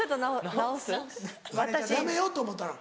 やめようと思ったの？